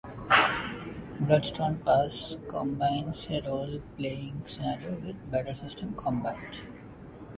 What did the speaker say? "Bloodstone Pass" combines a role-playing scenario with Battlesystem combat.